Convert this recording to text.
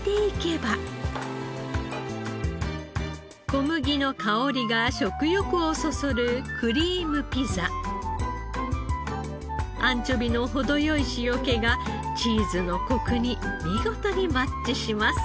小麦の香りが食欲をそそるアンチョビの程良い塩気がチーズのコクに見事にマッチします。